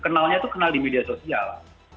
kenalnya itu kenal di media sosial